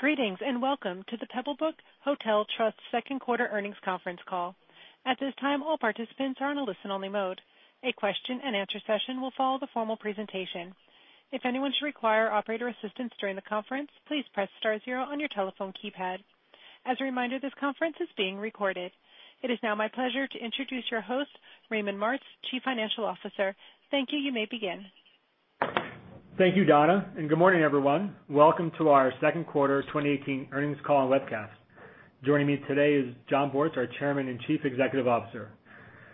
Greetings. Welcome to the Pebblebrook Hotel Trust second quarter earnings conference call. At this time, all participants are in a listen-only mode. A question and answer session will follow the formal presentation. If anyone should require operator assistance during the conference, please press star zero on your telephone keypad. As a reminder, this conference is being recorded. It is now my pleasure to introduce your host, Raymond Martz, Chief Financial Officer. Thank you. You may begin. Thank you, Donna. Good morning, everyone. Welcome to our second quarter 2018 earnings call and webcast. Joining me today is Jon Bortz, our Chairman and Chief Executive Officer.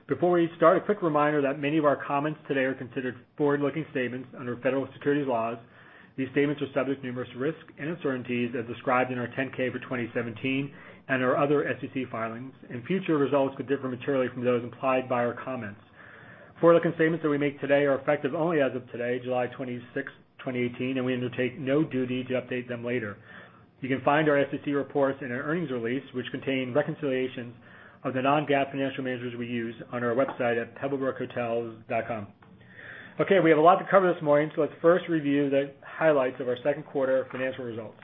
Before we start, a quick reminder that many of our comments today are considered forward-looking statements under federal securities laws. These statements are subject to numerous risks and uncertainties as described in our 10-K for 2017 and our other SEC filings. Future results could differ materially from those implied by our comments. Forward-looking statements that we make today are effective only as of today, July 26th, 2018, and we undertake no duty to update them later. You can find our SEC reports and our earnings release, which contain reconciliations of the non-GAAP financial measures we use on our website at pebblebrookhotels.com. Okay. We have a lot to cover this morning. Let's first review the highlights of our second quarter financial results.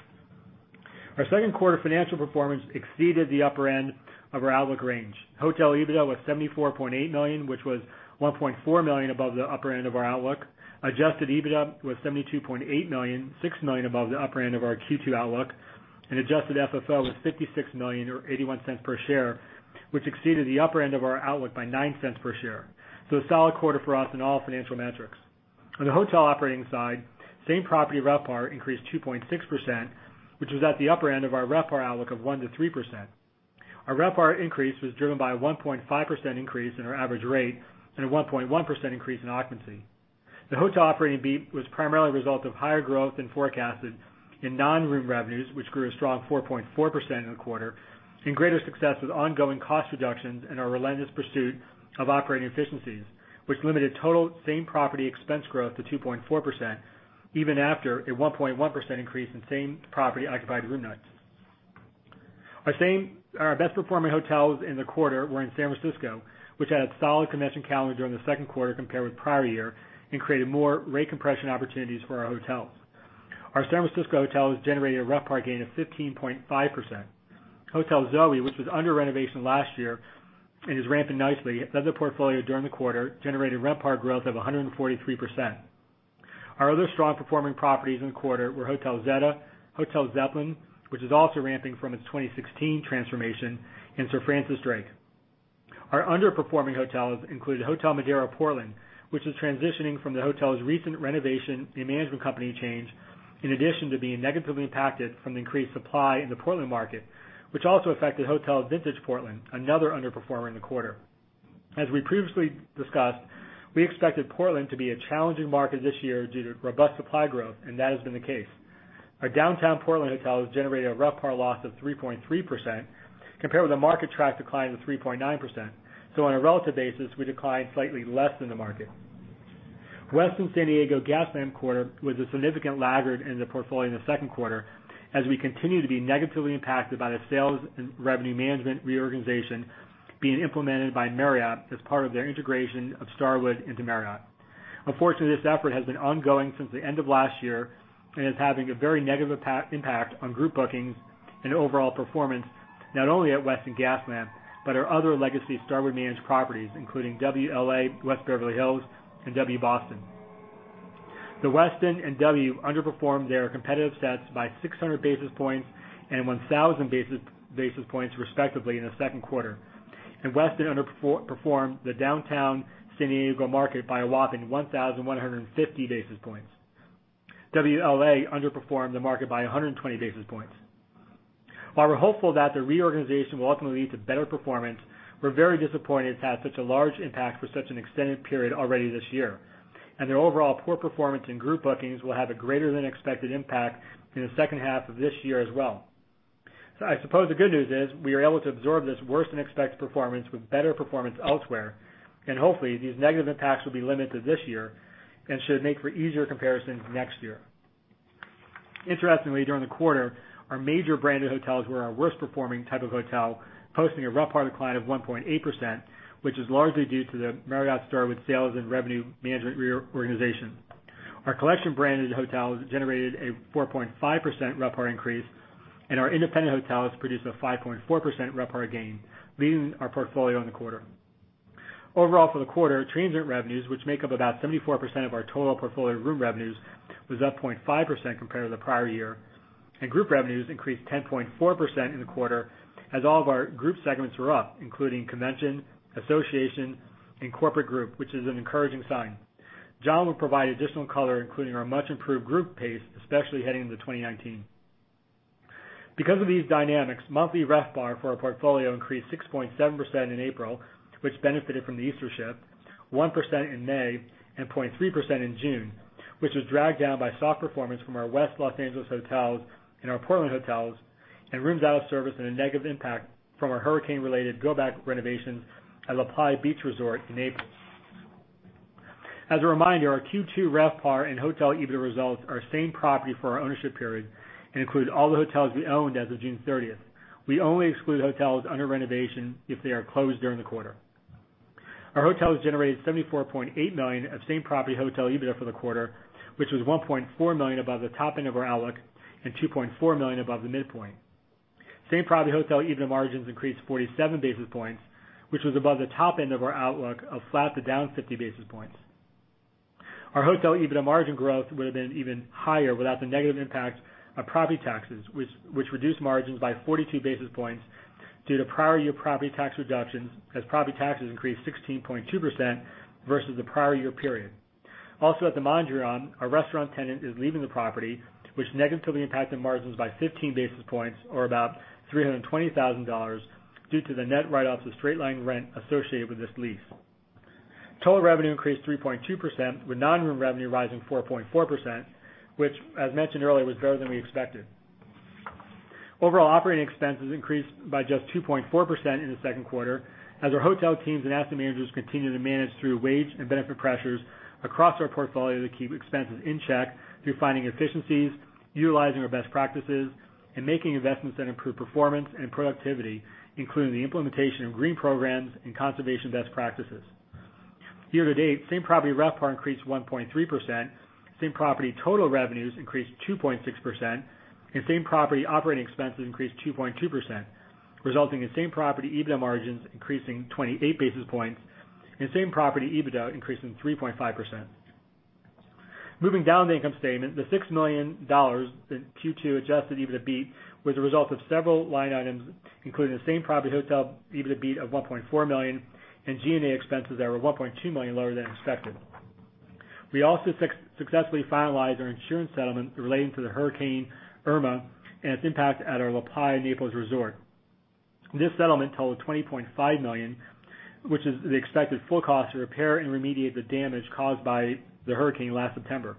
Our second quarter financial performance exceeded the upper end of our outlook range. Hotel EBITDA was $74.8 million, which was $1.4 million above the upper end of our outlook. Adjusted EBITDA was $72.8 million, $6 million above the upper end of our Q2 outlook. Adjusted FFO was $56 million, or $0.81 per share, which exceeded the upper end of our outlook by $0.09 per share. A solid quarter for us in all financial metrics. On the hotel operating side, same property RevPAR increased 2.6%, which was at the upper end of our RevPAR outlook of 1%-3%. Our RevPAR increase was driven by a 1.5% increase in our average rate and a 1.1% increase in occupancy. The hotel operating beat was primarily a result of higher growth than forecasted in non-room revenues, which grew a strong 4.4% in the quarter and greater success with ongoing cost reductions and our relentless pursuit of operating efficiencies, which limited total same property expense growth to 2.4%, even after a 1.1% increase in same property occupied room nights. Our best performing hotels in the quarter were in San Francisco, which had a solid convention calendar during the second quarter compared with prior year and created more rate compression opportunities for our hotels. Our San Francisco hotels generated a RevPAR gain of 15.5%. Hotel Zoe, which was under renovation last year and is ramping nicely, led the portfolio during the quarter, generating RevPAR growth of 143%. Our other strong performing properties in the quarter were Hotel Zetta, Hotel Zeppelin, which is also ramping from its 2016 transformation, and Sir Francis Drake. Our underperforming hotels included Hotel Modera Portland, which is transitioning from the hotel's recent renovation and management company change, in addition to being negatively impacted from the increased supply in the Portland market, which also affected Hotel Vintage Portland, another underperformer in the quarter. As we previously discussed, we expected Portland to be a challenging market this year due to robust supply growth, and that has been the case. Our downtown Portland hotels generated a RevPAR loss of 3.3%, compared with a market track decline of 3.9%. On a relative basis, we declined slightly less than the market. Westin San Diego Gaslamp Quarter was a significant laggard in the portfolio in the second quarter, as we continue to be negatively impacted by the sales and revenue management reorganization being implemented by Marriott as part of their integration of Starwood into Marriott. Unfortunately, this effort has been ongoing since the end of last year and is having a very negative impact on group bookings and overall performance, not only at Westin Gaslamp, but our other legacy Starwood managed properties, including W L.A., West Beverly Hills, and W Boston. The Westin and W underperformed their competitive sets by 600 basis points and 1,000 basis points, respectively, in the second quarter. Westin underperformed the downtown San Diego market by a whopping 1,150 basis points. W L.A. underperformed the market by 120 basis points. While we're hopeful that the reorganization will ultimately lead to better performance, we're very disappointed it's had such a large impact for such an extended period already this year, and their overall poor performance in group bookings will have a greater-than-expected impact in the second half of this year as well. I suppose the good news is we are able to absorb this worse-than-expected performance with better performance elsewhere, and hopefully, these negative impacts will be limited to this year and should make for easier comparisons next year. Interestingly, during the quarter, our major branded hotels were our worst-performing type of hotel, posting a RevPAR decline of 1.8%, which is largely due to the Marriott Starwood sales and revenue management reorganization. Our collection branded hotels generated a 4.5% RevPAR increase, and our independent hotels produced a 5.4% RevPAR gain, leading our portfolio in the quarter. Overall for the quarter, transient revenues, which make up about 74% of our total portfolio room revenues, was up 0.5% compared to the prior year. Group revenues increased 10.4% in the quarter as all of our group segments were up, including convention, association, and corporate group, which is an encouraging sign. Jon will provide additional color, including our much improved group pace, especially heading into 2019. Because of these dynamics, monthly RevPAR for our portfolio increased 6.7% in April, which benefited from the Easter shift, 1% in May, and 0.3% in June, which was dragged down by soft performance from our West Los Angeles hotels and our Portland hotels and rooms out of service and a negative impact from our hurricane-related go-back renovations at LaPlaya Beach Resort in April. As a reminder, our Q2 RevPAR and hotel EBITDA results are same property for our ownership period and include all the hotels we owned as of June 30th. We only exclude hotels under renovation if they are closed during the quarter. Our hotels generated $74.8 million of same-property hotel EBITDA for the quarter, which was $1.4 million above the top end of our outlook and $2.4 million above the midpoint. Same-property hotel EBITDA margins increased 47 basis points, which was above the top end of our outlook of flat to down 50 basis points. Our hotel EBITDA margin growth would've been even higher without the negative impact of property taxes, which reduced margins by 42 basis points due to prior year property tax reductions, as property taxes increased 16.2% versus the prior year period. Also, at the Mondrian, our restaurant tenant is leaving the property, which negatively impacted margins by 15 basis points, or about $320,000, due to the net write-offs of straight-line rent associated with this lease. Total revenue increased 3.2% with non-room revenue rising 4.4%, which as mentioned earlier, was better than we expected. Overall operating expenses increased by just 2.4% in the second quarter as our hotel teams and asset managers continue to manage through wage and benefit pressures across our portfolio to keep expenses in check through finding efficiencies, utilizing our best practices, and making investments that improve performance and productivity, including the implementation of green programs and conservation best practices. Year-to-date, same-property RevPAR increased 1.3%, same-property total revenues increased 2.6%, and same-property operating expenses increased 2.2%, resulting in same-property EBITDA margins increasing 28 basis points and same-property EBITDA increasing 3.5%. Moving down the income statement, the $6 million in Q2 adjusted EBITDA beat was a result of several line items, including the same-property hotel EBITDA beat of $1.4 million and G&A expenses that were $1.2 million lower than expected. We also successfully finalized our insurance settlement relating to the Hurricane Irma and its impact at our LaPlaya Naples Resort. This settlement totaled $20.5 million, which is the expected full cost to repair and remediate the damage caused by the hurricane last September.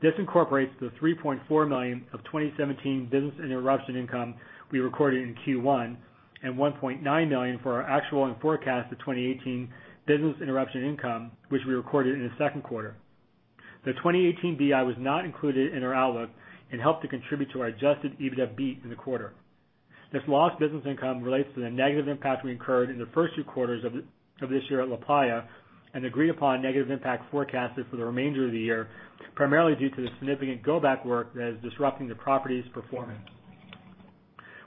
This incorporates the $3.4 million of 2017 business interruption income we recorded in Q1, and $1.9 million for our actual and forecasted 2018 business interruption income, which we recorded in the second quarter. The 2018 BI was not included in our outlook and helped to contribute to our adjusted EBITDA beat in the quarter. This lost business income relates to the negative impact we incurred in the first two quarters of this year at LaPlaya, and the agreed-upon negative impact forecasted for the remainder of the year, primarily due to the significant go-back work that is disrupting the property's performance.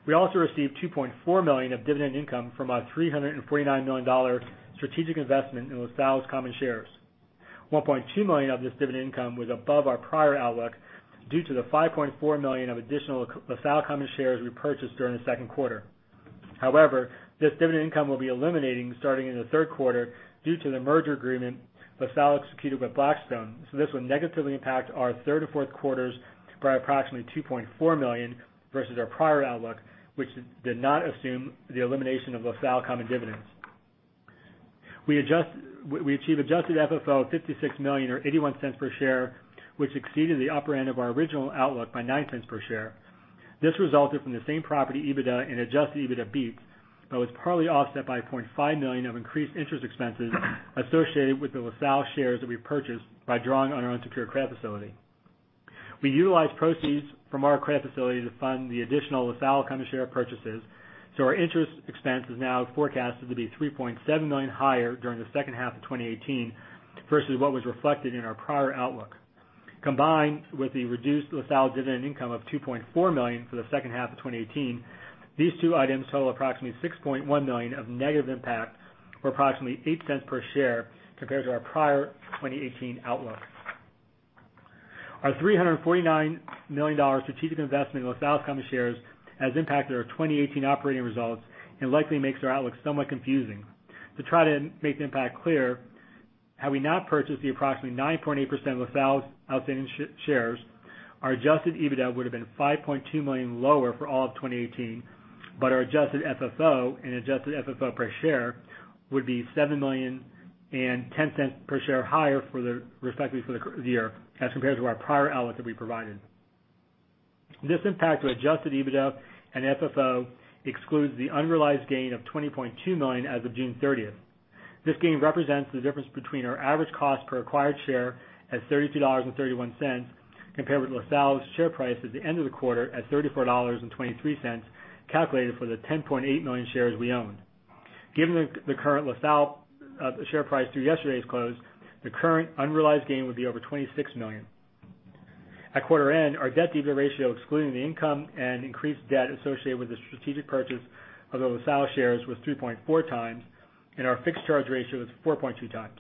We also received $2.4 million of dividend income from our $349 million strategic investment in LaSalle's common shares. $1.2 million of this dividend income was above our prior outlook due to the $5.4 million of additional LaSalle common shares we purchased during the second quarter. This dividend income will be eliminating starting in the third quarter due to the merger agreement LaSalle executed with Blackstone. This will negatively impact our third to fourth quarters by approximately $2.4 million versus our prior outlook, which did not assume the elimination of LaSalle common dividends. We achieve adjusted FFO of $56 million or $0.81 per share, which exceeded the upper end of our original outlook by $0.09 per share. This resulted from the same-property EBITDA and adjusted EBITDA beat, but was partly offset by $0.5 million of increased interest expenses associated with the LaSalle shares that we purchased by drawing on our unsecured credit facility. We utilized proceeds from our credit facility to fund the additional LaSalle common share purchases. Our interest expense is now forecasted to be $3.7 million higher during the second half of 2018 versus what was reflected in our prior outlook. Combined with the reduced LaSalle dividend income of $2.4 million for the second half of 2018, these two items total approximately $6.1 million of negative impact, or approximately $0.08 per share compared to our prior 2018 outlook. Our $349 million strategic investment in LaSalle's common shares has impacted our 2018 operating results and likely makes our outlook somewhat confusing. To try to make the impact clear, had we not purchased the approximately 9.8% of LaSalle's outstanding shares, our adjusted EBITDA would've been $5.2 million lower for all of 2018, but our adjusted FFO and adjusted FFO per share would be $7 million and $0.10 per share higher respectively for the year as compared to our prior outlook that we provided. This impact to adjusted EBITDA and FFO excludes the unrealized gain of $20.2 million as of June 30th. This gain represents the difference between our average cost per acquired share at $32.31 compared with LaSalle's share price at the end of the quarter at $34.23, calculated for the 10.8 million shares we own. Given the current LaSalle share price through yesterday's close, the current unrealized gain would be over $26 million. At quarter end, our debt-to-EBITDA ratio, excluding the income and increased debt associated with the strategic purchase of the LaSalle shares, was 3.4 times, and our fixed charge ratio was 4.2 times.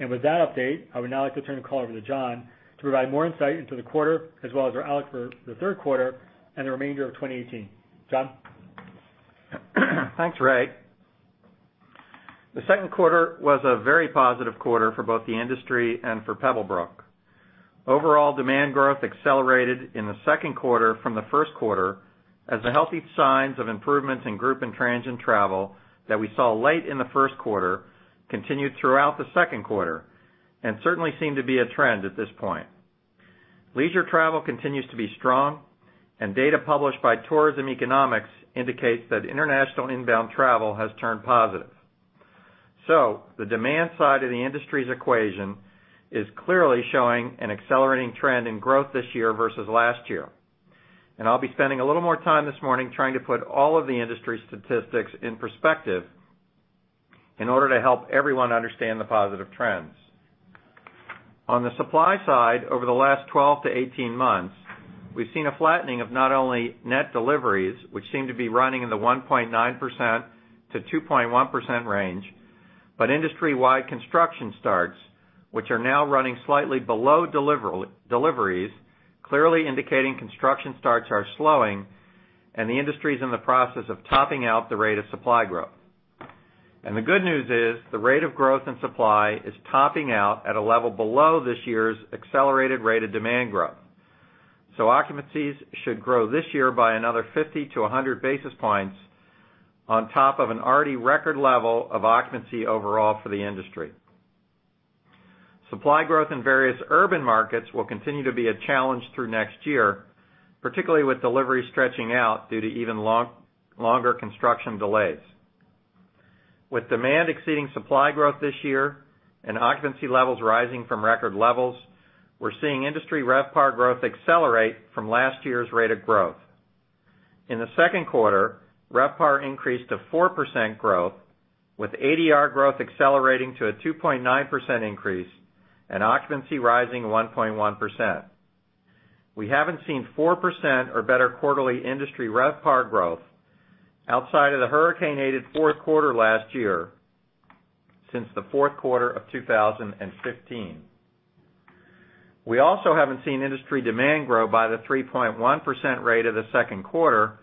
With that update, I would now like to turn the call over to Jon to provide more insight into the quarter as well as our outlook for the third quarter and the remainder of 2018. Jon? Thanks, Ray. The second quarter was a very positive quarter for both the industry and for Pebblebrook. Overall demand growth accelerated in the second quarter from the first quarter as the healthy signs of improvements in group and transient travel that we saw late in the first quarter continued throughout the second quarter, and certainly seem to be a trend at this point. Leisure travel continues to be strong. Data published by Tourism Economics indicates that international inbound travel has turned positive. The demand side of the industry's equation is clearly showing an accelerating trend in growth this year versus last year. I'll be spending a little more time this morning trying to put all of the industry statistics in perspective in order to help everyone understand the positive trends. On the supply side, over the last 12-18 months, we've seen a flattening of not only net deliveries, which seem to be running in the 1.9%-2.1% range, but industry-wide construction starts, which are now running slightly below deliveries, clearly indicating construction starts are slowing and the industry's in the process of topping out the rate of supply growth. The good news is, the rate of growth in supply is topping out at a level below this year's accelerated rate of demand growth. Occupancies should grow this year by another 50-100 basis points on top of an already record level of occupancy overall for the industry. Supply growth in various urban markets will continue to be a challenge through next year, particularly with delivery stretching out due to even longer construction delays. With demand exceeding supply growth this year and occupancy levels rising from record levels, we're seeing industry RevPAR growth accelerate from last year's rate of growth. In the second quarter, RevPAR increased to 4% growth, with ADR growth accelerating to a 2.9% increase and occupancy rising 1.1%. We haven't seen 4% or better quarterly industry RevPAR growth outside of the Hurricane-aided fourth quarter last year since the fourth quarter of 2015. We also haven't seen industry demand grow by the 3.1% rate of the second quarter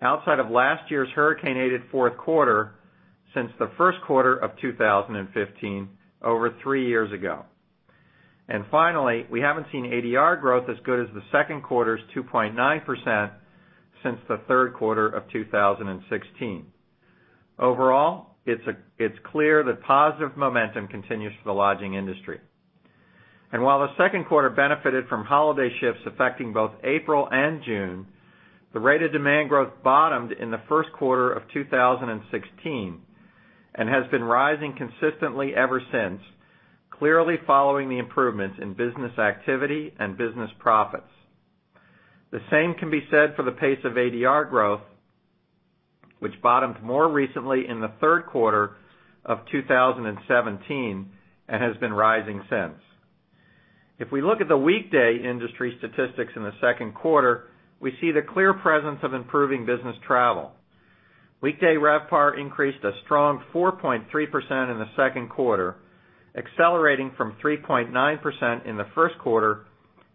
outside of last year's Hurricane-aided fourth quarter since the first quarter of 2015, over three years ago. Finally, we haven't seen ADR growth as good as the second quarter's 2.9% since the third quarter of 2016. Overall, it's clear that positive momentum continues for the lodging industry. While the second quarter benefited from holiday shifts affecting both April and June, the rate of demand growth bottomed in the first quarter of 2016 and has been rising consistently ever since, clearly following the improvements in business activity and business profits. The same can be said for the pace of ADR growth, which bottomed more recently in the third quarter of 2017 and has been rising since. If we look at the weekday industry statistics in the second quarter, we see the clear presence of improving business travel. Weekday RevPAR increased a strong 4.3% in the second quarter, accelerating from 3.9% in the first quarter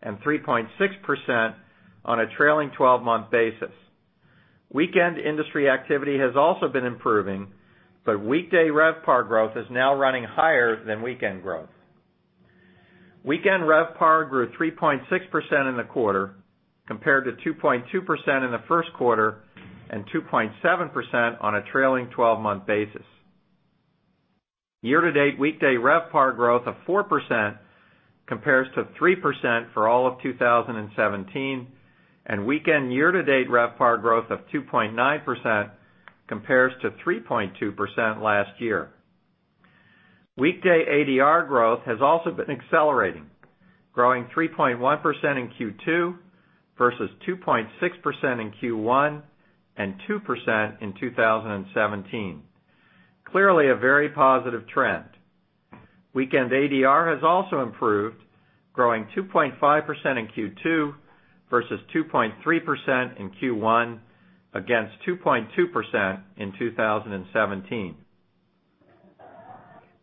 and 3.6% on a trailing 12-month basis. Weekend industry activity has also been improving, but weekday RevPAR growth is now running higher than weekend growth. Weekend RevPAR grew 3.6% in the quarter compared to 2.2% in the first quarter and 2.7% on a trailing 12-month basis. Year-to-date, weekday RevPAR growth of 4% compares to 3% for all of 2017, and weekend year-to-date RevPAR growth of 2.9% compares to 3.2% last year. Weekday ADR growth has also been accelerating, growing 3.1% in Q2 versus 2.6% in Q1 and 2% in 2017. Clearly a very positive trend. Weekend ADR has also improved, growing 2.5% in Q2 versus 2.3% in Q1 against 2.2% in 2017.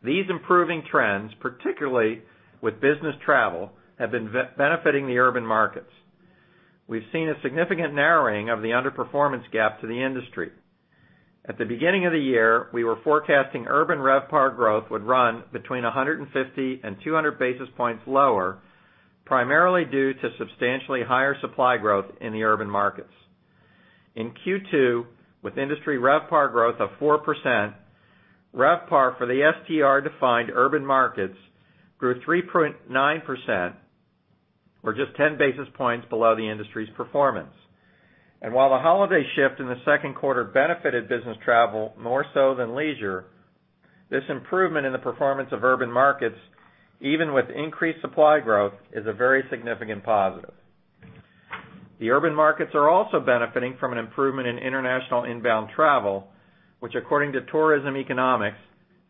These improving trends, particularly with business travel, have been benefiting the urban markets. We've seen a significant narrowing of the underperformance gap to the industry. At the beginning of the year, we were forecasting urban RevPAR growth would run between 150-200 basis points lower, primarily due to substantially higher supply growth in the urban markets. In Q2, with industry RevPAR growth of 4%, RevPAR for the STR-defined urban markets grew 3.9%, or just 10 basis points below the industry's performance. While the holiday shift in the second quarter benefited business travel more so than leisure, this improvement in the performance of urban markets, even with increased supply growth, is a very significant positive. The urban markets are also benefiting from an improvement in international inbound travel, which according to Tourism Economics,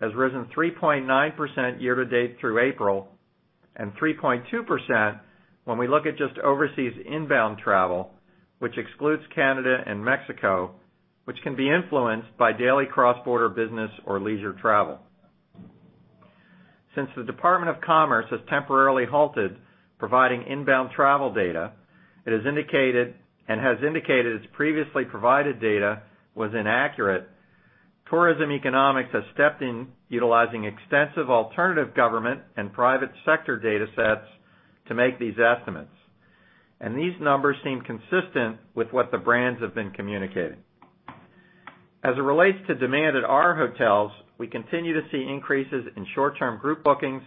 has risen 3.9% year-to-date through April and 3.2% when we look at just overseas inbound travel, which excludes Canada and Mexico, which can be influenced by daily cross-border business or leisure travel. Since the U.S. Department of Commerce has temporarily halted providing inbound travel data and has indicated its previously provided data was inaccurate, Tourism Economics has stepped in utilizing extensive alternative government and private sector data sets to make these estimates, these numbers seem consistent with what the brands have been communicating. As it relates to demand at our hotels, we continue to see increases in short-term group bookings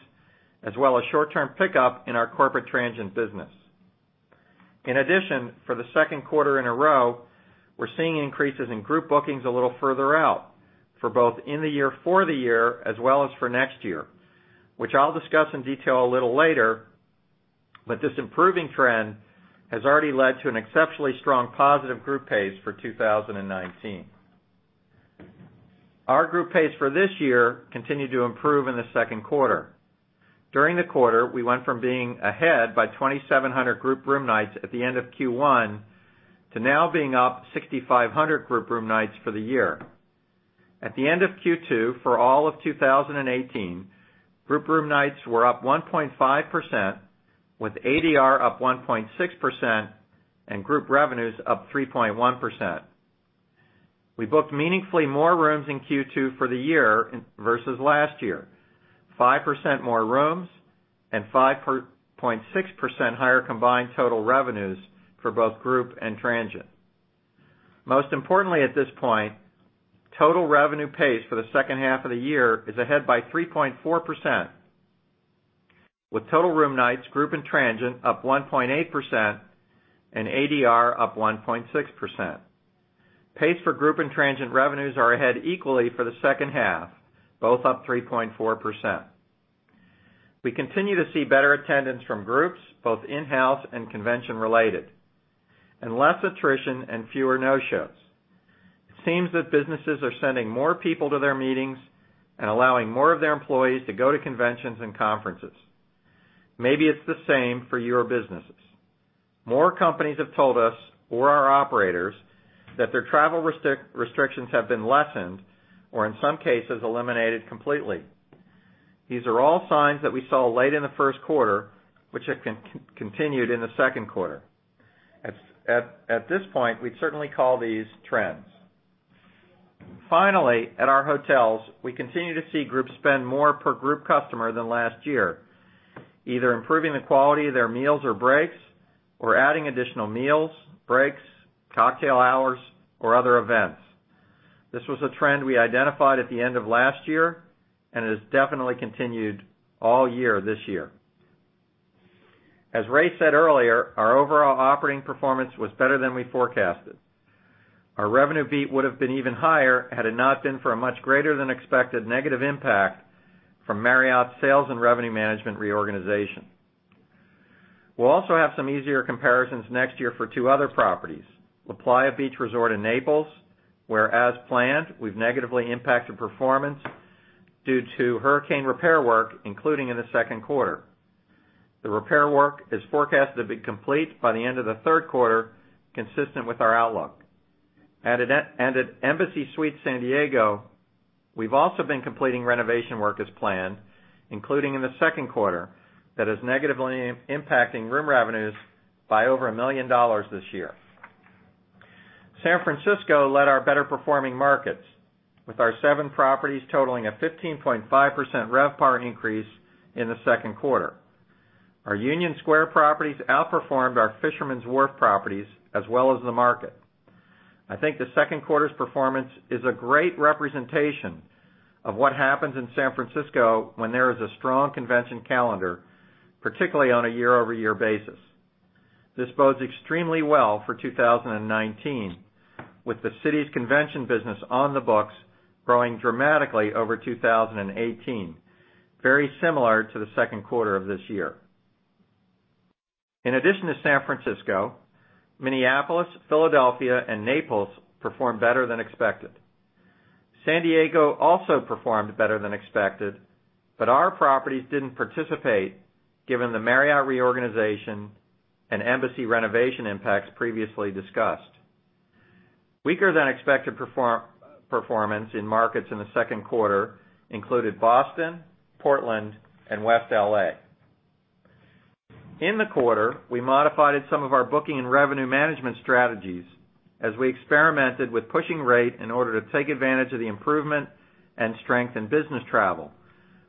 as well as short-term pickup in our corporate transient business. In addition, for the second quarter in a row, we're seeing increases in group bookings a little further out for both in the year for the year as well as for next year, which I'll discuss in detail a little later. This improving trend has already led to an exceptionally strong positive group pace for 2019. Our group pace for this year continued to improve in the second quarter. During the quarter, we went from being ahead by 2,700 group room nights at the end of Q1 to now being up 6,500 group room nights for the year. At the end of Q2 for all of 2018, group room nights were up 1.5%, with ADR up 1.6% and group revenues up 3.1%. We booked meaningfully more rooms in Q2 for the year versus last year, 5% more rooms and 5.6% higher combined total revenues for both group and transient. Most importantly at this point, total revenue pace for the second half of the year is ahead by 3.4%, with total room nights, group and transient up 1.8% and ADR up 1.6%. Pace for group and transient revenues are ahead equally for the second half, both up 3.4%. We continue to see better attendance from groups, both in-house and convention related, and less attrition and fewer no-shows. It seems that businesses are sending more people to their meetings and allowing more of their employees to go to conventions and conferences. Maybe it's the same for your businesses. More companies have told us or our operators that their travel restrictions have been lessened, or in some cases, been eliminated completely. These are all signs that we saw late in the first quarter, which have continued in the second quarter. At this point, we'd certainly call these trends. Finally, at our hotels, we continue to see groups spend more per group customer than last year, either improving the quality of their meals or breaks, or adding additional meals, breaks, cocktail hours, or other events. This was a trend we identified at the end of last year, it has definitely continued all year this year. As Ray said earlier, our overall operating performance was better than we forecasted. Our revenue beat would've been even higher had it not been for a much greater than expected negative impact from Marriott's sales and revenue management reorganization. We'll also have some easier comparisons next year for two other properties, LaPlaya Beach Resort in Naples, where as planned, we've negatively impacted performance due to hurricane repair work, including in the second quarter. The repair work is forecasted to be complete by the end of the third quarter, consistent with our outlook. At Embassy Suites San Diego, we've also been completing renovation work as planned, including in the second quarter, that is negatively impacting room revenues by over $1 million this year. San Francisco led our better-performing markets with our seven properties totaling a 15.5% RevPAR increase in the second quarter. Our Union Square properties outperformed our Fisherman's Wharf properties as well as the market. I think the second quarter's performance is a great representation of what happens in San Francisco when there is a strong convention calendar, particularly on a year-over-year basis. This bodes extremely well for 2019, with the city's convention business on the books growing dramatically over 2018, very similar to the second quarter of this year. In addition to San Francisco, Minneapolis, Philadelphia, and Naples performed better than expected. San Diego also performed better than expected, but our properties didn't participate given the Marriott reorganization and Embassy renovation impacts previously discussed. Weaker-than-expected performance in markets in the second quarter included Boston, Portland, and West L.A. In the quarter, we modified some of our booking and revenue management strategies as we experimented with pushing rate in order to take advantage of the improvement and strength in business travel,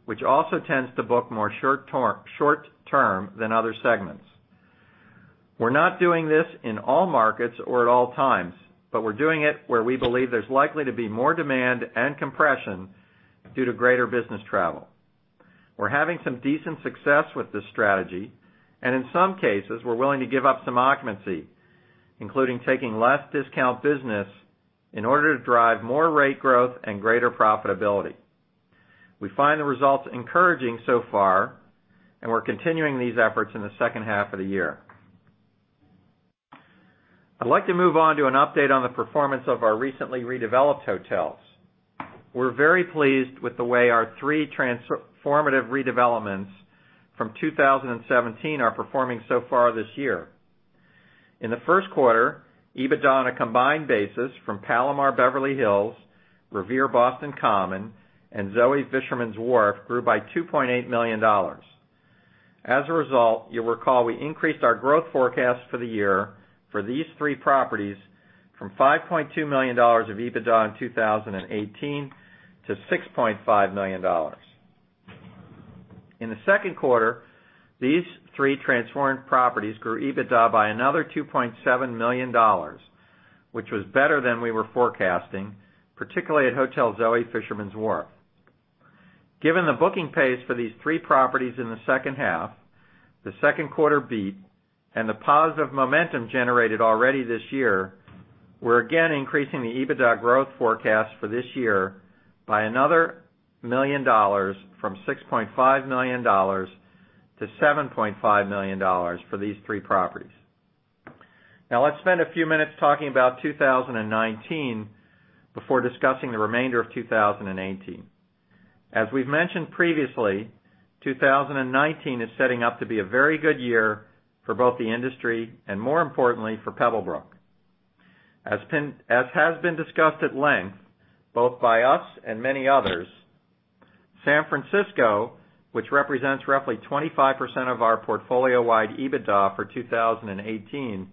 which also tends to book more short-term than other segments. We're not doing this in all markets or at all times, but we're doing it where we believe there's likely to be more demand and compression due to greater business travel. We're having some decent success with this strategy, and in some cases, we're willing to give up some occupancy, including taking less discount business in order to drive more rate growth and greater profitability. We find the results encouraging so far, and we're continuing these efforts in the second half of the year. I'd like to move on to an update on the performance of our recently redeveloped hotels. We're very pleased with the way our three transformative redevelopments from 2017 are performing so far this year. In the first quarter, EBITDA on a combined basis from Palomar Beverly Hills, Revere Boston Common, and Zoe Fisherman's Wharf grew by $2.8 million. As a result, you'll recall we increased our growth forecast for the year for these three properties from $5.2 million of EBITDA in 2018 to $6.5 million. In the second quarter, these three transformed properties grew EBITDA by another $2.7 million, which was better than we were forecasting, particularly at Hotel Zoe Fisherman's Wharf. Given the booking pace for these three properties in the second half, the second quarter beat and the positive momentum generated already this year, we're again increasing the EBITDA growth forecast for this year by another $1 million from $6.5 million-$7.5 million for these three properties. Now let's spend a few minutes talking about 2019 before discussing the remainder of 2018. As we've mentioned previously, 2019 is setting up to be a very good year for both the industry and, more importantly, for Pebblebrook. As has been discussed at length both by us and many others, San Francisco, which represents roughly 25% of our portfolio-wide EBITDA for 2018,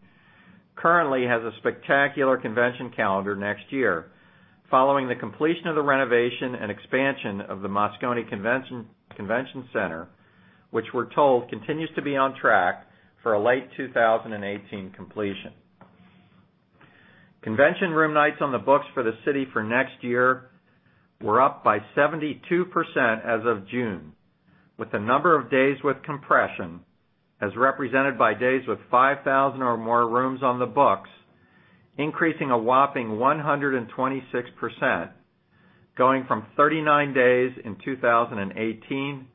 currently has a spectacular convention calendar next year following the completion of the renovation and expansion of the Moscone Convention Center, which we're told continues to be on track for a late 2018 completion. Convention room nights on the books for the city for next year were up by 72% as of June, with the number of days with compression, as represented by days with 5,000 or more rooms on the books, increasing a whopping 126%, going from 39 days in 2018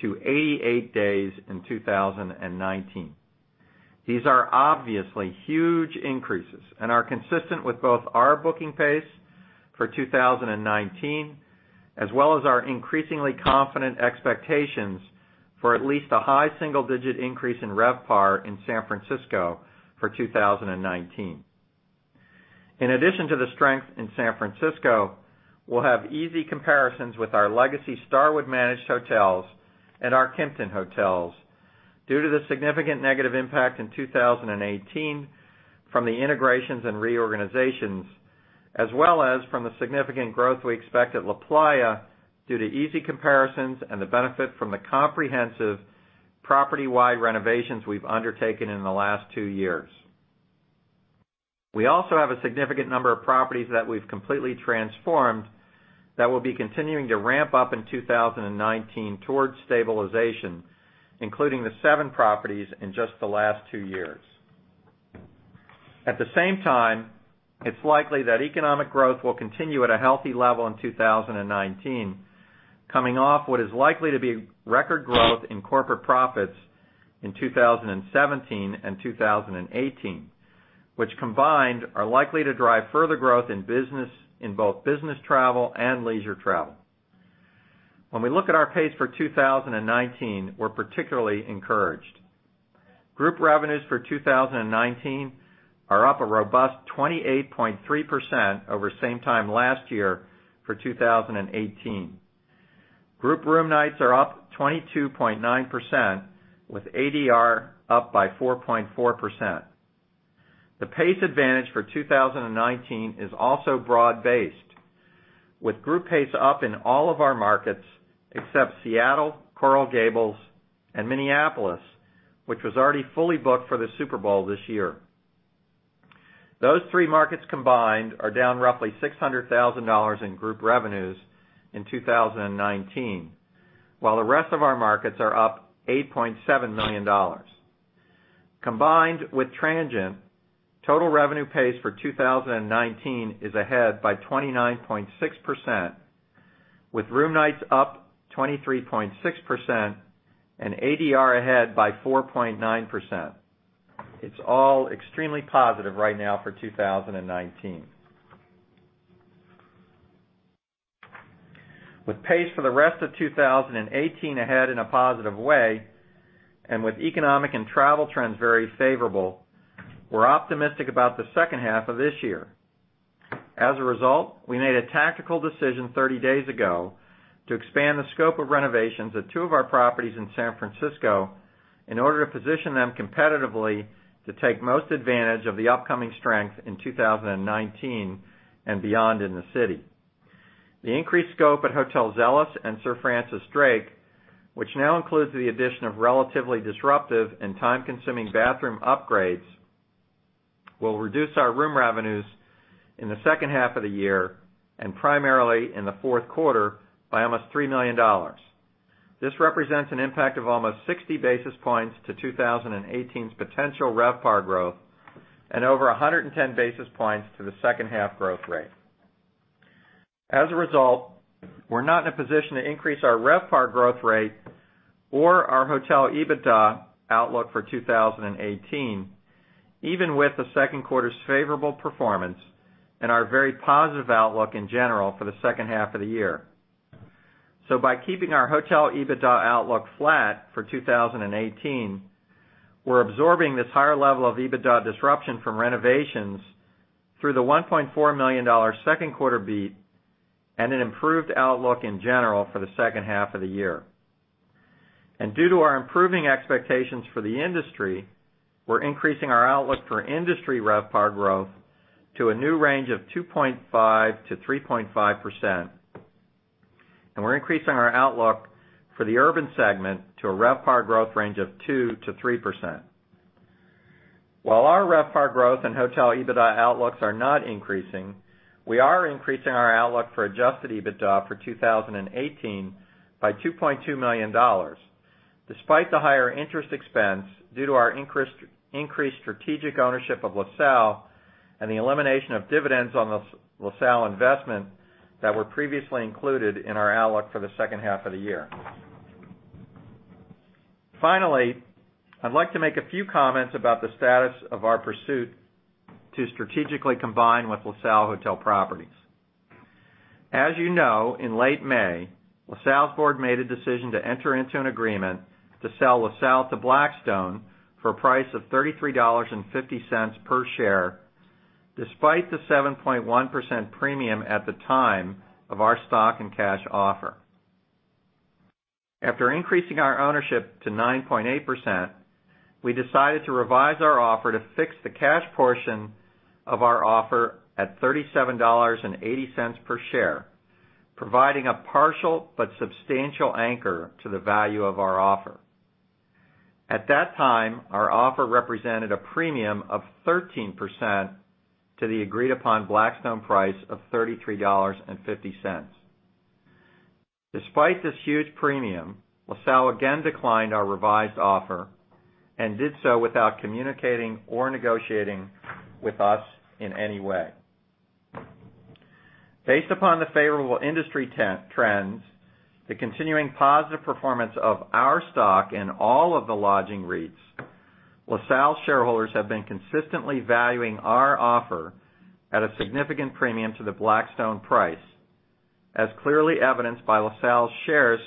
to 88 days in 2019. These are obviously huge increases and are consistent with both our booking pace for 2019 as well as our increasingly confident expectations for at least a high single-digit increase in RevPAR in San Francisco for 2019. In addition to the strength in San Francisco, we'll have easy comparisons with our Legacy Starwood-managed hotels and our Kimpton hotels due to the significant negative impact in 2018 from the integrations and reorganizations, as well as from the significant growth we expect at LaPlaya due to easy comparisons and the benefit from the comprehensive property-wide renovations we've undertaken in the last two years. At the same time, it's likely that economic growth will continue at a healthy level in 2019, coming off what is likely to be record growth in corporate profits in 2017 and 2018, which combined are likely to drive further growth in both business travel and leisure travel. When we look at our pace for 2019, we're particularly encouraged. Group revenues for 2019 are up a robust 28.3% over same time last year for 2018. Group room nights are up 22.9%, with ADR up by 4.4%. The pace advantage for 2019 is also broad-based, with group pace up in all of our markets except Seattle, Coral Gables, and Minneapolis, which was already fully booked for the Super Bowl this year. Those three markets combined are down roughly $600,000 in group revenues in 2019, while the rest of our markets are up $8.7 million. Combined with transient, total revenue pace for 2019 is ahead by 29.6%, with room nights up 23.6% and ADR ahead by 4.9%. It's all extremely positive right now for 2019. With pace for the rest of 2018 ahead in a positive way, and with economic and travel trends very favorable, we're optimistic about the second half of this year. As a result, we made a tactical decision 30 days ago to expand the scope of renovations at two of our properties in San Francisco in order to position them competitively to take most advantage of the upcoming strength in 2019 and beyond in the city. The increased scope at Hotel Zelos and Sir Francis Drake, which now includes the addition of relatively disruptive and time-consuming bathroom upgrades, will reduce our room revenues in the second half of the year, and primarily in the fourth quarter by almost $3 million. This represents an impact of almost 60 basis points to 2018's potential RevPAR growth and over 110 basis points to the second half growth rate. As a result, we're not in a position to increase our RevPAR growth rate or our hotel EBITDA outlook for 2018, even with the second quarter's favorable performance and our very positive outlook in general for the second half of the year. By keeping our hotel EBITDA outlook flat for 2018, we're absorbing this higher level of EBITDA disruption from renovations through the $1.4 million second quarter beat and an improved outlook in general for the second half of the year. Due to our improving expectations for the industry, we're increasing our outlook for industry RevPAR growth to a new range of 2.5%-3.5%, and we're increasing our outlook for the urban segment to a RevPAR growth range of 2%-3%. While our RevPAR growth and hotel EBITDA outlooks are not increasing, we are increasing our outlook for adjusted EBITDA for 2018 by $2.2 million despite the higher interest expense due to our increased strategic ownership of LaSalle and the elimination of dividends on the LaSalle investment that were previously included in our outlook for the second half of the year. Finally, I'd like to make a few comments about the status of our pursuit to strategically combine with LaSalle Hotel Properties. As you know, in late May, LaSalle's board made a decision to enter into an agreement to sell LaSalle to Blackstone for a price of $33.50 per share, despite the 7.1% premium at the time of our stock and cash offer. After increasing our ownership to 9.8%, we decided to revise our offer to fix the cash portion of our offer at $37.80 per share, providing a partial but substantial anchor to the value of our offer. At that time, our offer represented a premium of 13% to the agreed-upon Blackstone price of $33.50. Despite this huge premium, LaSalle again declined our revised offer and did so without communicating or negotiating with us in any way. Based upon the favorable industry trends, the continuing positive performance of our stock in all of the lodging REITs, LaSalle shareholders have been consistently valuing our offer at a significant premium to the Blackstone price, as clearly evidenced by LaSalle's shares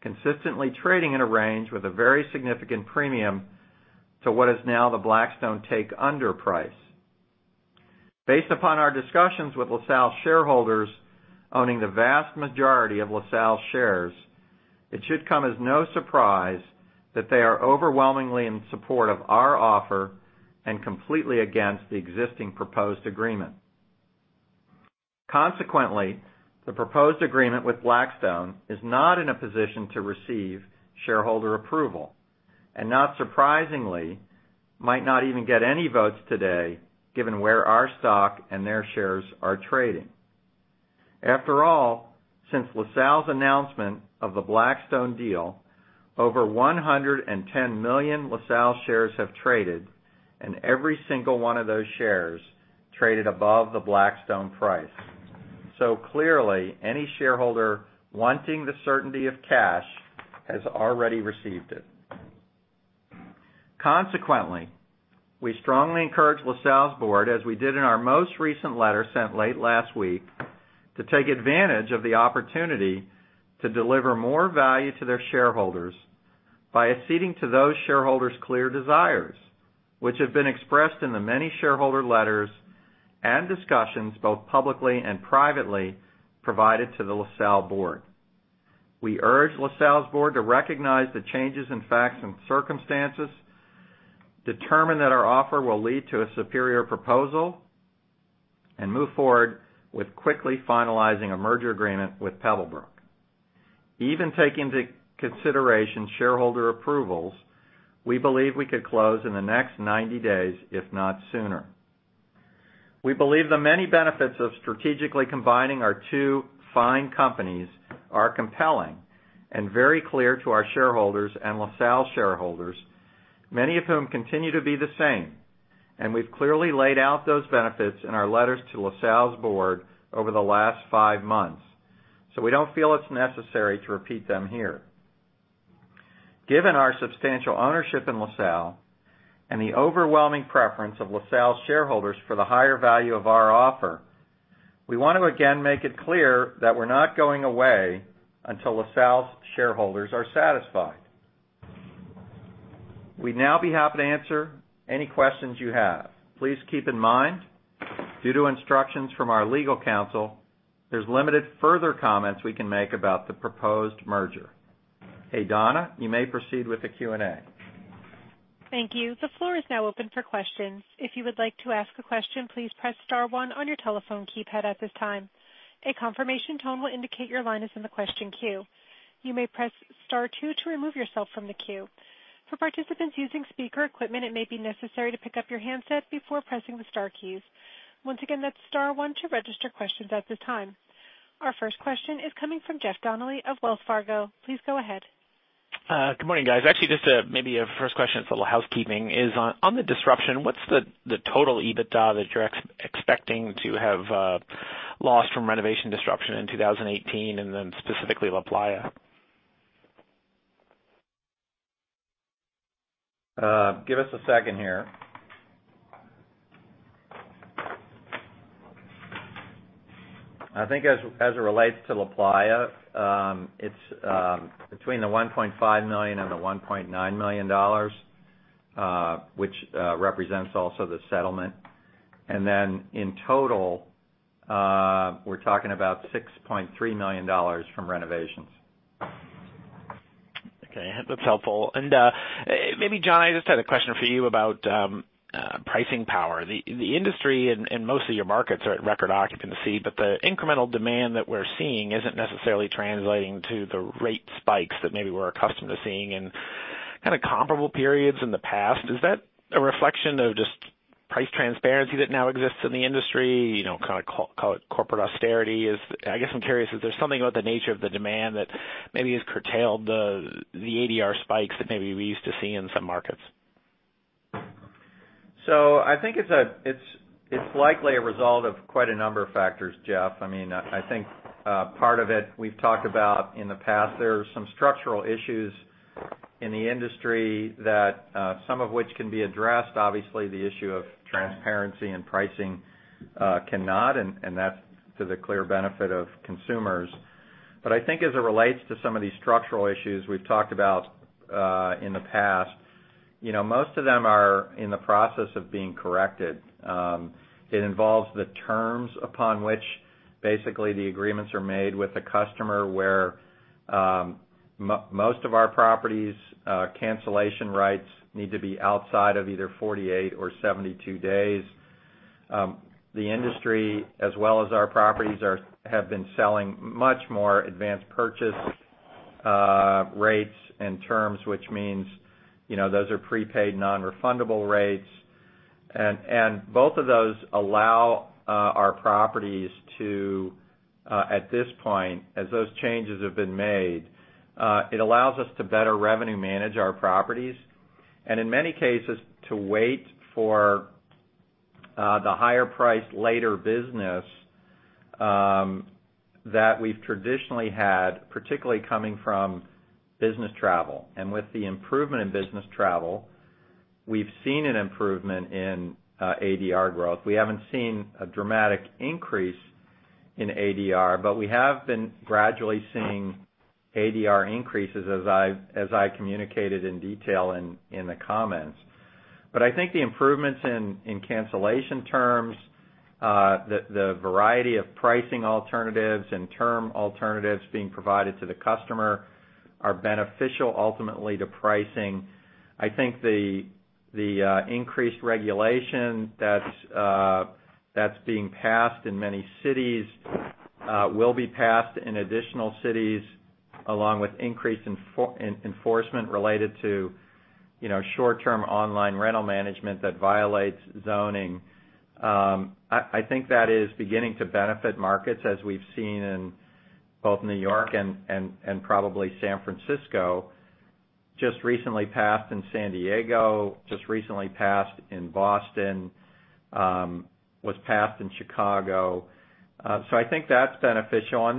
consistently trading in a range with a very significant premium to what is now the Blackstone take-under price. Based upon our discussions with LaSalle shareholders owning the vast majority of LaSalle shares, it should come as no surprise that they are overwhelmingly in support of our offer and completely against the existing proposed agreement. Consequently, the proposed agreement with Blackstone is not in a position to receive shareholder approval, and not surprisingly, might not even get any votes today given where our stock and their shares are trading. After all, since LaSalle's announcement of the Blackstone deal, over 110 million LaSalle shares have traded, and every single one of those shares traded above the Blackstone price. Clearly, any shareholder wanting the certainty of cash has already received it. Consequently, we strongly encourage LaSalle's board, as we did in our most recent letter sent late last week, to take advantage of the opportunity to deliver more value to their shareholders by acceding to those shareholders' clear desires, which have been expressed in the many shareholder letters and discussions, both publicly and privately, provided to the LaSalle board. We urge LaSalle's board to recognize the changes in facts and circumstances, determine that our offer will lead to a superior proposal, and move forward with quickly finalizing a merger agreement with Pebblebrook. Even taking into consideration shareholder approvals, we believe we could close in the next 90 days, if not sooner. We believe the many benefits of strategically combining our two fine companies are compelling and very clear to our shareholders and LaSalle shareholders, many of whom continue to be the same. We've clearly laid out those benefits in our letters to LaSalle's board over the last five months. We don't feel it's necessary to repeat them here. Given our substantial ownership in LaSalle and the overwhelming preference of LaSalle's shareholders for the higher value of our offer, we want to again make it clear that we're not going away until LaSalle's shareholders are satisfied. We'd now be happy to answer any questions you have. Please keep in mind, due to instructions from our legal counsel, there's limited further comments we can make about the proposed merger. Hey, Donna, you may proceed with the Q&A. Thank you. The floor is now open for questions. If you would like to ask a question, please press star one on your telephone keypad at this time. A confirmation tone will indicate your line is in the question queue. You may press star two to remove yourself from the queue. For participants using speaker equipment, it may be necessary to pick up your handset before pressing the star keys. Once again, that's star one to register questions at this time. Our first question is coming from Jeff Donnelly of Wells Fargo. Please go ahead. Good morning, guys. Actually, just maybe a first question. It's a little housekeeping. On the disruption, what's the total EBITDA that you're expecting to have lost from renovation disruption in 2018, and then specifically LaPlaya? Give us a second here. I think as it relates to LaPlaya, it's between the $1.5 million and the $1.9 million, which represents also the settlement. Then in total, we're talking about $6.3 million from renovations. Okay, that's helpful. Maybe, Jon, I just had a question for you about pricing power. The industry and most of your markets are at record occupancy, but the incremental demand that we're seeing isn't necessarily translating to the rate spikes that maybe we're accustomed to seeing in kind of comparable periods in the past. Is that a reflection of Price transparency that now exists in the industry, kind of corporate austerity? I guess I'm curious if there's something about the nature of the demand that maybe has curtailed the ADR spikes that maybe we used to see in some markets. I think it's likely a result of quite a number of factors, Jeff. I think part of it, we've talked about in the past, there are some structural issues in the industry that some of which can be addressed. Obviously, the issue of transparency and pricing cannot, and that's to the clear benefit of consumers. I think as it relates to some of these structural issues we've talked about in the past, most of them are in the process of being corrected. It involves the terms upon which basically the agreements are made with the customer, where most of our properties' cancellation rights need to be outside of either 48 or 72 days. The industry, as well as our properties, have been selling much more advanced purchase rates and terms, which means those are prepaid, non-refundable rates. Both of those allow our properties to, at this point, as those changes have been made, it allows us to better revenue manage our properties. In many cases, to wait for the higher price later business that we've traditionally had, particularly coming from business travel. With the improvement in business travel, we've seen an improvement in ADR growth. We haven't seen a dramatic increase in ADR, but we have been gradually seeing ADR increases as I communicated in detail in the comments. I think the improvements in cancellation terms, the variety of pricing alternatives and term alternatives being provided to the customer are beneficial ultimately to pricing. I think the increased regulation that's being passed in many cities will be passed in additional cities, along with increased enforcement related to short-term online rental management that violates zoning. I think that is beginning to benefit markets, as we've seen in both New York and probably San Francisco. Just recently passed in San Diego, just recently passed in Boston, was passed in Chicago. I think that's beneficial.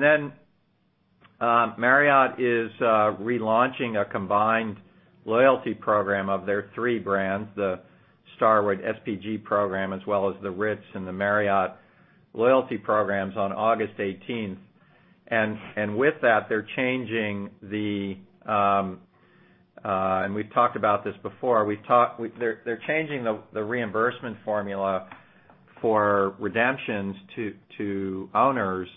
Marriott is relaunching a combined loyalty program of their three brands, the Starwood SPG program, as well as the Ritz and the Marriott loyalty programs on August 18th. They're changing the reimbursement formula for redemptions to owners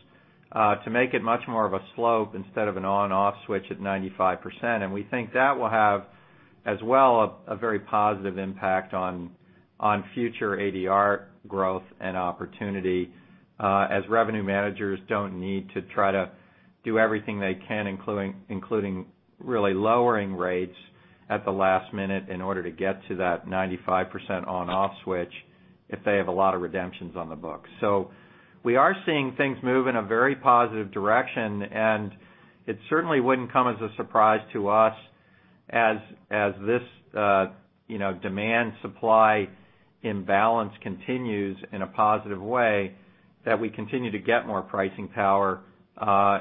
to make it much more of a slope instead of an on/off switch at 95%. We think that will have, as well, a very positive impact on future ADR growth and opportunity, as revenue managers don't need to try to do everything they can, including really lowering rates at the last minute in order to get to that 95% on/off switch if they have a lot of redemptions on the books. We are seeing things move in a very positive direction, and it certainly wouldn't come as a surprise to us as this demand-supply imbalance continues in a positive way, that we continue to get more pricing power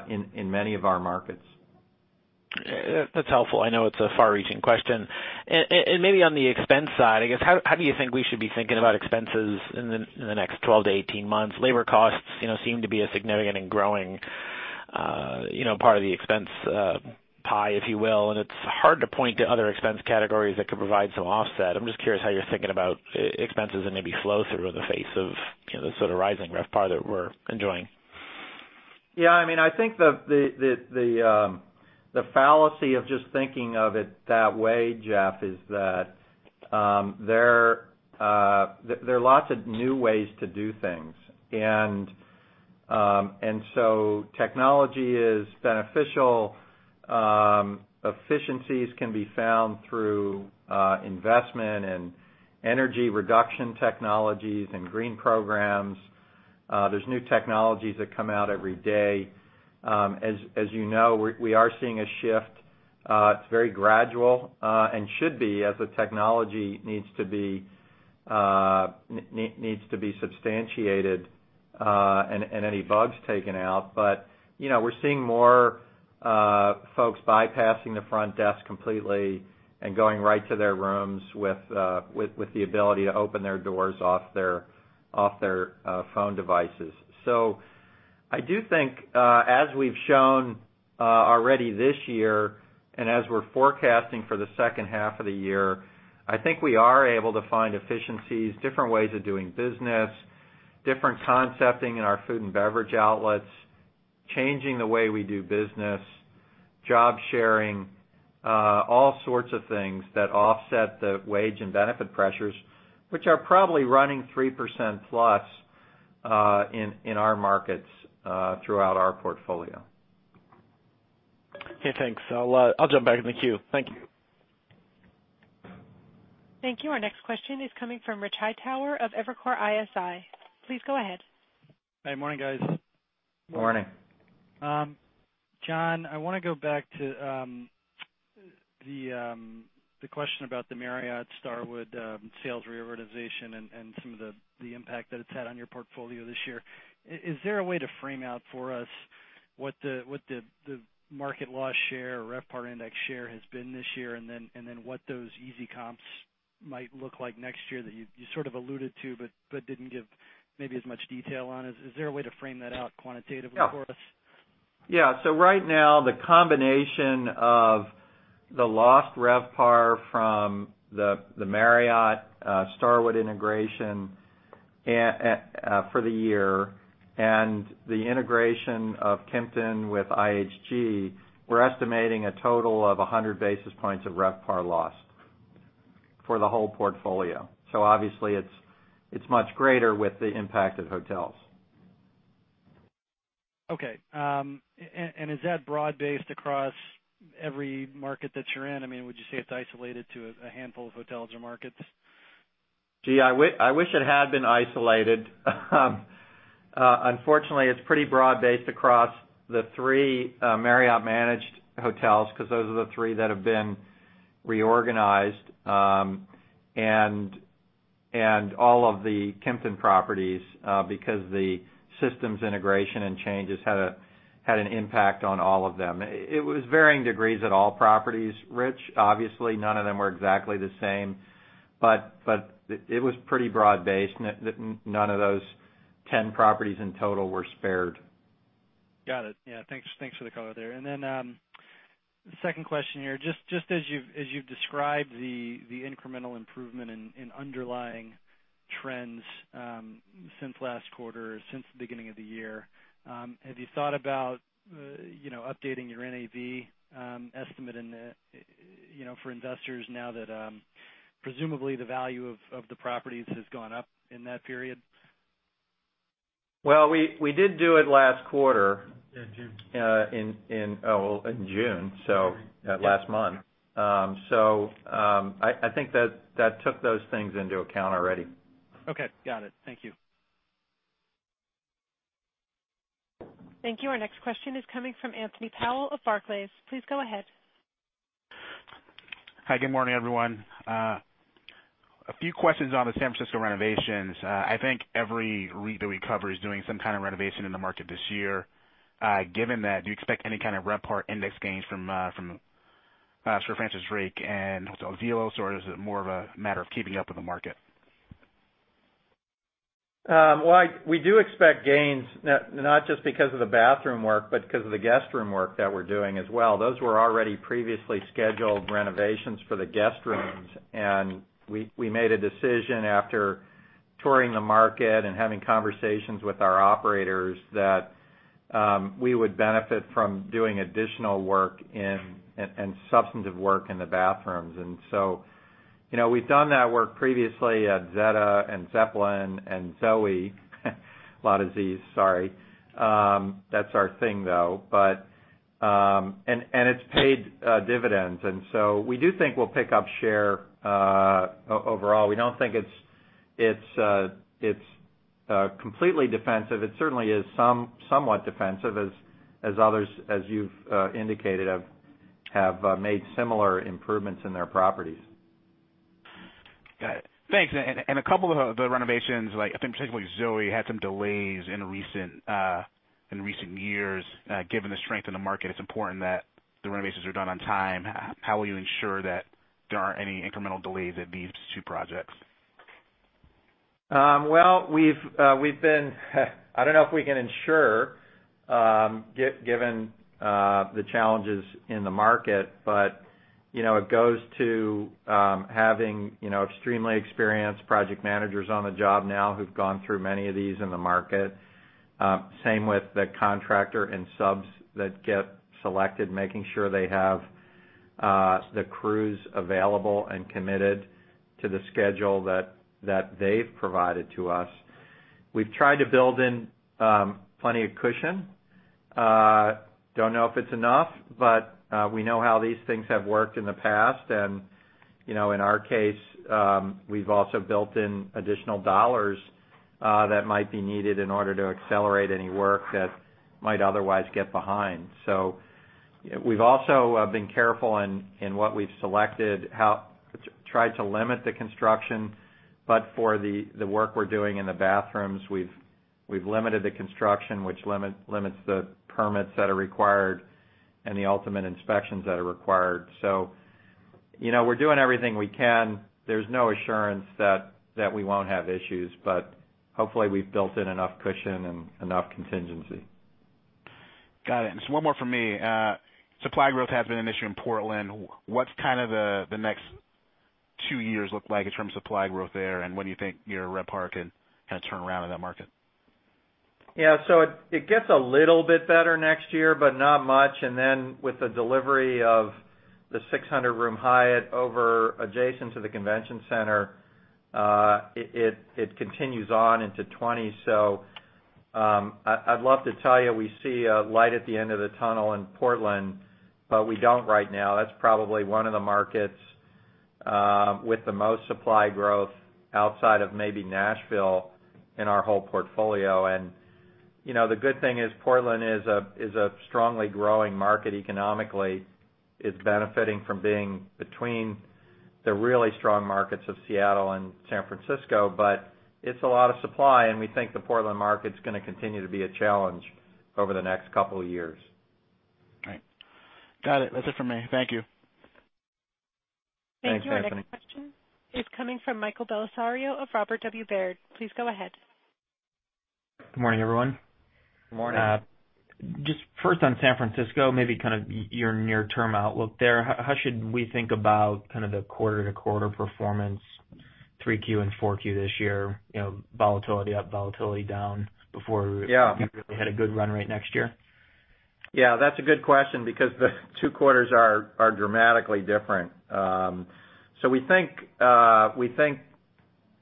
in many of our markets. That's helpful. I know it's a far-reaching question. Maybe on the expense side, I guess, how do you think we should be thinking about expenses in the next 12 to 18 months? Labor costs seem to be a significant and growing part of the expense pie, if you will. It's hard to point to other expense categories that could provide some offset. I'm just curious how you're thinking about expenses and maybe flow through in the face of the sort of rising RevPAR that we're enjoying. Yeah, I think the fallacy of just thinking of it that way, Jeff, is that there are lots of new ways to do things. Technology is beneficial. Efficiencies can be found through investment in energy reduction technologies and green programs. There's new technologies that come out every day. As you know, we are seeing a shift. It's very gradual and should be as the technology needs to be substantiated and any bugs taken out. We're seeing more folks bypassing the front desk completely and going right to their rooms with the ability to open their doors off their phone devices. I do think, as we've shown already this year, and as we're forecasting for the second half of the year, I think we are able to find efficiencies, different ways of doing business, different concepting in our food and beverage outlets, changing the way we do business, job sharing, all sorts of things that offset the wage and benefit pressures, which are probably running 3%-plus in our markets throughout our portfolio. Okay, thanks. I'll jump back in the queue. Thank you. Thank you. Our next question is coming from Rich Hightower of Evercore ISI. Please go ahead. Hi. Morning, guys. Morning. Jon, I want to go back to the question about the Marriott Starwood sales reorganization and some of the impact that it's had on your portfolio this year. Is there a way to frame out for us what the market loss share or RevPAR index share has been this year, and then what those easy comps might look like next year that you sort of alluded to but didn't give maybe as much detail on? Is there a way to frame that out quantitatively for us? Yeah. Right now, the combination of the lost RevPAR from the Marriott Starwood integration for the year and the integration of Kimpton with IHG, we're estimating a total of 100 basis points of RevPAR loss for the whole portfolio. Obviously it's much greater with the impacted hotels. Okay. Is that broad-based across every market that you're in? Would you say it's isolated to a handful of hotels or markets? Gee, I wish it had been isolated. Unfortunately, it's pretty broad-based across the three Marriott-managed hotels, because those are the three that have been reorganized, and all of the Kimpton properties, because the systems integration and changes had an impact on all of them. It was varying degrees at all properties, Rich. Obviously, none of them were exactly the same, but it was pretty broad-based, and none of those 10 properties in total were spared. Got it. Yeah. Thanks for the color there. Second question here. Just as you've described the incremental improvement in underlying trends since last quarter, since the beginning of the year, have you thought about updating your NAV estimate for investors now that presumably the value of the properties has gone up in that period? Well, we did do it last quarter. Yeah, June. Oh, in June, last month. I think that took those things into account already. Okay, got it. Thank you. Thank you. Our next question is coming from Anthony Powell of Barclays. Please go ahead. Hi. Good morning, everyone. A few questions on the San Francisco renovations. I think every REIT that we cover is doing some kind of renovation in the market this year. Given that, do you expect any kind of RevPAR index gains from Sir Francis Drake and Hotel Zelos, or is it more of a matter of keeping up with the market? We do expect gains, not just because of the bathroom work, but because of the guest room work that we're doing as well. Those were already previously scheduled renovations for the guest rooms, and we made a decision after touring the market and having conversations with our operators that we would benefit from doing additional work and substantive work in the bathrooms. We've done that work previously at Zetta and Zeppelin and Zoe. Lot of Zs, sorry. That's our thing, though. It's paid dividends, and so we do think we'll pick up share overall. We don't think it's completely defensive. It certainly is somewhat defensive, as you've indicated, have made similar improvements in their properties. Got it. Thanks. A couple of the renovations, I think particularly Zoe, had some delays in recent years. Given the strength in the market, it's important that the renovations are done on time. How will you ensure that there aren't any incremental delays at these two projects? Well, I don't know if we can ensure given the challenges in the market, it goes to having extremely experienced project managers on the job now who've gone through many of these in the market. Same with the contractor and subs that get selected, making sure they have the crews available and committed to the schedule that they've provided to us. We've tried to build in plenty of cushion. Don't know if it's enough, we know how these things have worked in the past, in our case, we've also built in additional dollars that might be needed in order to accelerate any work that might otherwise get behind. We've also been careful in what we've selected, tried to limit the construction, for the work we're doing in the bathrooms, we've limited the construction, which limits the permits that are required and the ultimate inspections that are required. We're doing everything we can. There's no assurance that we won't have issues, hopefully we've built in enough cushion and enough contingency. Got it. Just one more from me. Supply growth has been an issue in Portland. What's the next two years look like in terms of supply growth there, and when do you think your RevPAR can kind of turn around in that market? Yeah. It gets a little bit better next year, but not much. With the delivery of the 600-room Hyatt over adjacent to the convention center, it continues on into 2020. I'd love to tell you we see a light at the end of the tunnel in Portland, but we don't right now. That's probably one of the markets with the most supply growth outside of maybe Nashville in our whole portfolio. The good thing is Portland is a strongly growing market economically. It's benefiting from being between the really strong markets of Seattle and San Francisco. It's a lot of supply, and we think the Portland market's going to continue to be a challenge over the next couple of years. Right. Got it. That's it for me. Thank you. Thanks, Anthony. Thank you. Our next question is coming from Michael Bellisario of Robert W. Baird. Please go ahead. Good morning, everyone. Good morning. Just first on San Francisco, maybe kind of your near-term outlook there. How should we think about kind of the quarter-to-quarter performance, 3Q and 4Q this year, volatility up, volatility down before- Yeah you really had a good run right next year? That's a good question because the two quarters are dramatically different. We think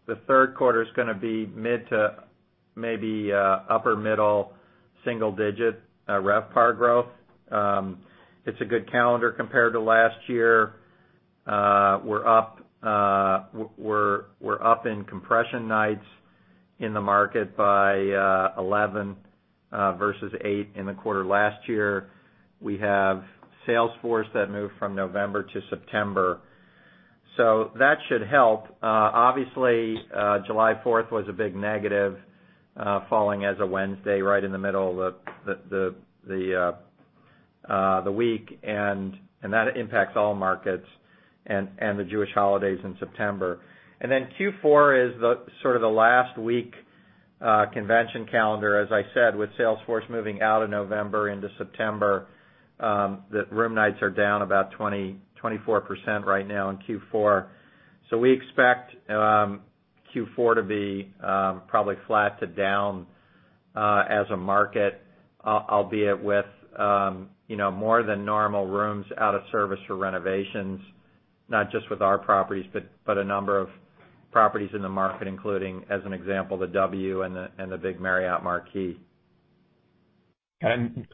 the third quarter is going to be mid to maybe upper middle single-digit RevPAR growth. It's a good calendar compared to last year. We're up in compression nights in the market by 11 versus eight in the quarter last year. We have sales force that moved from November to September, that should help. Obviously, July 4th was a big negative, falling as a Wednesday right in the middle of the week, and that impacts all markets, and the Jewish holidays in September. Q4 is sort of the last week convention calendar, as I said, with Salesforce moving out of November into September, the room nights are down about 24% right now in Q4. We expect Q4 to be probably flat to down as a market, albeit with more than normal rooms out of service for renovations. Not just with our properties, but a number of properties in the market, including, as an example, the W and the big Marriott Marquis.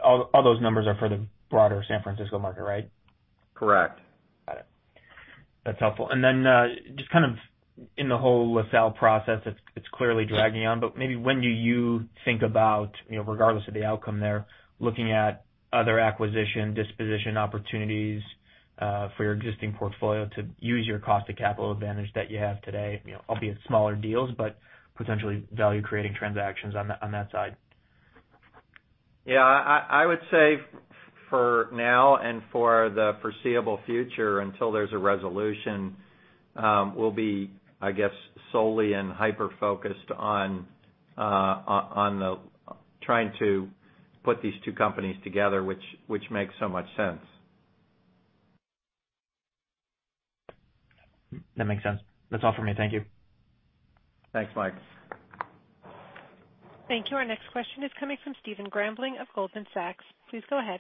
All those numbers are for the broader San Francisco market, right? Correct. Got it. That's helpful. Just kind of in the whole LaSalle process, it's clearly dragging on, but maybe when do you think about, regardless of the outcome there, looking at other acquisition, disposition opportunities for your existing portfolio to use your cost of capital advantage that you have today, albeit smaller deals, but potentially value-creating transactions on that side? Yeah. I would say for now and for the foreseeable future, until there's a resolution, we'll be, I guess, solely and hyper-focused on trying to put these two companies together, which makes so much sense. That makes sense. That's all for me. Thank you. Thanks, Mike. Thank you. Our next question is coming from Stephen Gramling of Goldman Sachs. Please go ahead.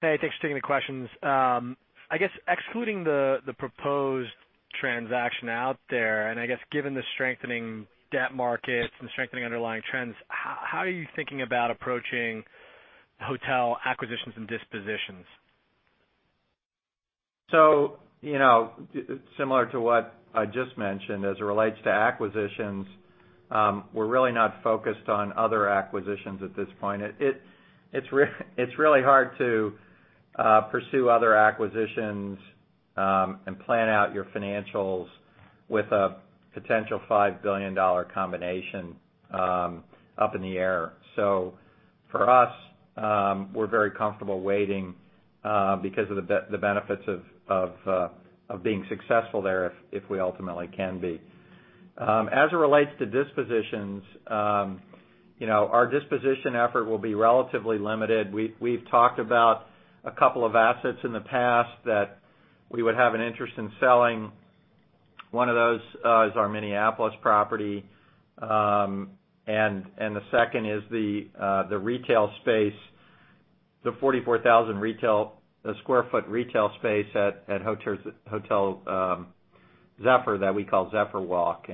Hey, thanks for taking the questions. I guess excluding the proposed transaction out there, and I guess given the strengthening debt markets and strengthening underlying trends, how are you thinking about approaching hotel acquisitions and dispositions? Similar to what I just mentioned, as it relates to acquisitions, we're really not focused on other acquisitions at this point. It's really hard to pursue other acquisitions and plan out your financials with a potential $5 billion combination up in the air. For us, we're very comfortable waiting because of the benefits of being successful there, if we ultimately can be. As it relates to dispositions, our disposition effort will be relatively limited. We've talked about a couple of assets in the past that we would have an interest in selling. One of those is our Minneapolis property, and the second is the retail space, the 44,000 sq ft retail space at Hotel Zephyr that we call Zephyr Walk.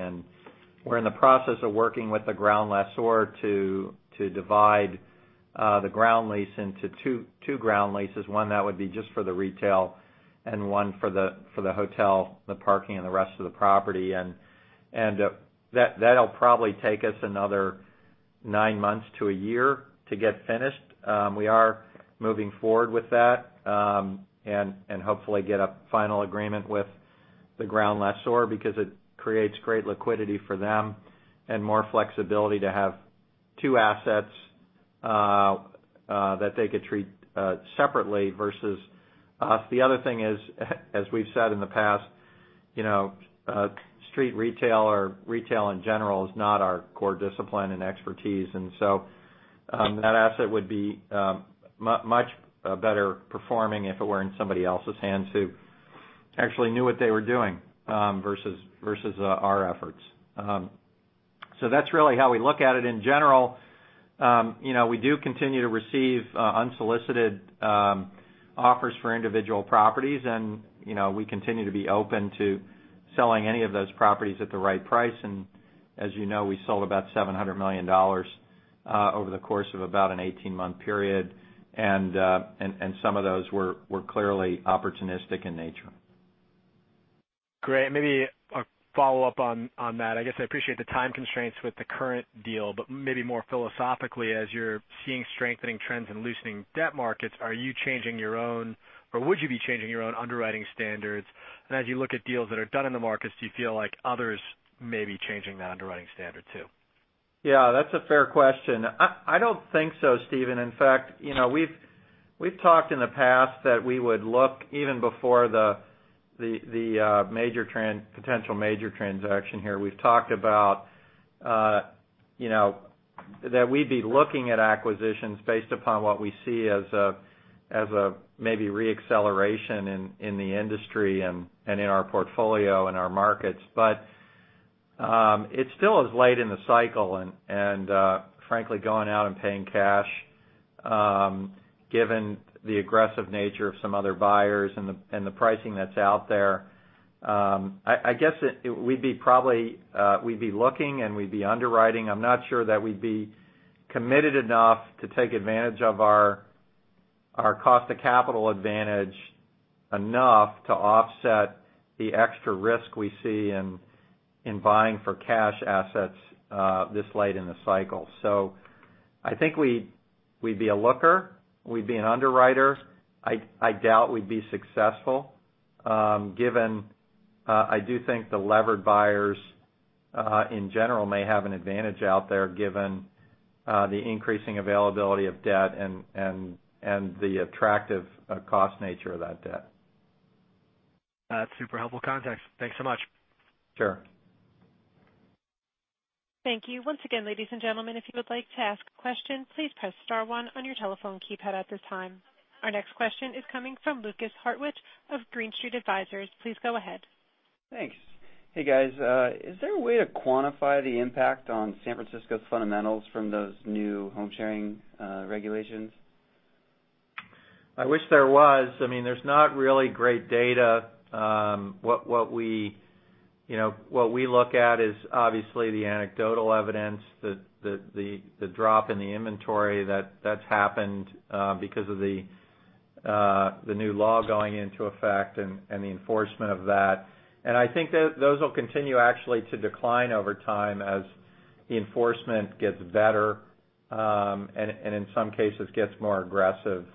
We're in the process of working with the ground lessor to divide the ground lease into two ground leases, one that would be just for the retail and one for the hotel, the parking, and the rest of the property. That'll probably take us another nine months to a year to get finished. We are moving forward with that, and hopefully get a final agreement with the ground lessor because it creates great liquidity for them and more flexibility to have two assets that they could treat separately versus us. The other thing is, as we've said in the past, street retail or retail, in general, is not our core discipline and expertise. That asset would be much better performing if it were in somebody else's hands who actually knew what they were doing versus our efforts. That's really how we look at it in general. We do continue to receive unsolicited offers for individual properties, and we continue to be open to selling any of those properties at the right price. As you know, we sold about $700 million over the course of about an 18-month period. Some of those were clearly opportunistic in nature. Great. Maybe a follow-up on that. I guess I appreciate the time constraints with the current deal. Maybe more philosophically, as you're seeing strengthening trends in loosening debt markets, are you changing your own, or would you be changing your own underwriting standards? As you look at deals that are done in the markets, do you feel like others may be changing the underwriting standard too? Yeah, that's a fair question. I don't think so, Stephen. In fact, we've talked in the past that we would look even before the potential major transaction here. We've talked about that we'd be looking at acquisitions based upon what we see as a maybe re-acceleration in the industry, and in our portfolio, and our markets. It still is late in the cycle, and frankly, going out and paying cash, given the aggressive nature of some other buyers and the pricing that's out there, I guess we'd be looking and we'd be underwriting. I'm not sure that we'd be committed enough to take advantage of our cost of capital advantage enough to offset the extra risk we see in buying for-cash assets this late in the cycle. I think we'd be a looker. We'd be an underwriter. I doubt we'd be successful. Given I do think the levered buyers in general may have an advantage out there, given the increasing availability of debt and the attractive cost nature of that debt. That's super helpful context. Thanks so much. Sure. Thank you. Once again, ladies and gentlemen, if you would like to ask questions, please press star one on your telephone keypad at this time. Our next question is coming from Lukas Hartwich of Green Street Advisors. Please go ahead. Thanks. Hey, guys. Is there a way to quantify the impact on San Francisco's fundamentals from those new home-sharing regulations? I wish there was. There's not really great data. What we look at is obviously the anecdotal evidence, the drop in the inventory that's happened because of the new law going into effect and the enforcement of that. I think those will continue actually to decline over time as the enforcement gets better, and in some cases, gets more aggressive